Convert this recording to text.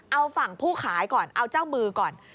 เอาฝั่งผู้ขายก่อนเอาเจ้ามือก่อน